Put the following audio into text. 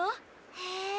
へえ。